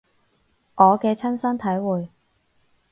我嘅親身體會